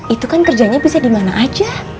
itu kan kerjanya bisa dimana aja